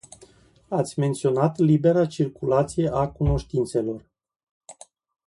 Ați menționat libera circulație a cunoștințelor.